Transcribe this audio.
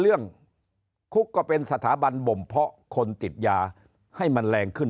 คุกก็เป็นสถาบันบ่มเพาะคนติดยาให้มันแรงขึ้น